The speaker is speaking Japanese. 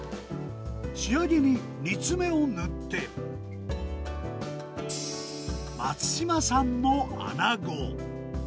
仕上げににつめを塗って、松島産の穴子。